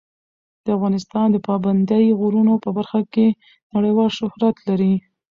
افغانستان د پابندي غرونو په برخه کې نړیوال شهرت لري.